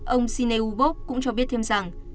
ông sinihubov cũng cho biết thêm rằng